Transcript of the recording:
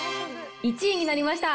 １位になりました。